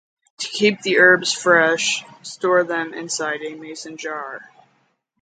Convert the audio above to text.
To keep the herbs fresh, store them inside a mason jar.